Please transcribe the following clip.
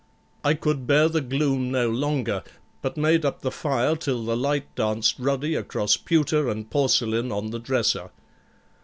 I could bear the gloom no longer, but made up the fire till the light danced ruddy across pewter and porcelain on the dresser.